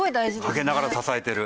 陰ながら支えてる。